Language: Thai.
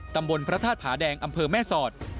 ตำบลพระธาตุผาแดงอำเภอแม่สอด